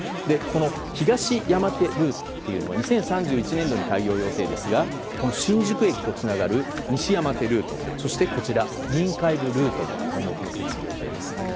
東山手ルートというのは２０３１年度に開業予定ですが新宿駅とつながる西山手ルートそしてこちら臨海部ルートも建設する予定です。